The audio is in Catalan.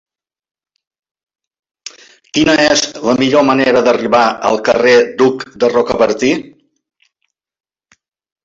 Quina és la millor manera d'arribar al carrer d'Hug de Rocabertí?